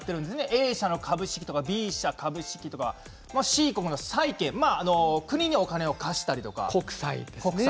Ａ社の株式とかＢ社の株式Ｃ社の債権とか国にお金を貸したりとか国債ですね。